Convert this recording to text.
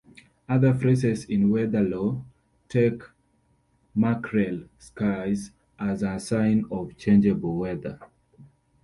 Other phrases in weather lore take mackerel skies as a sign of changeable weather.